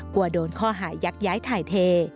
กลัวโดนข้อหายักย้ายถ่ายเท